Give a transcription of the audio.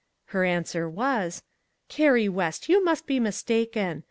" Her answer was: " Carrie West, you must be mistaken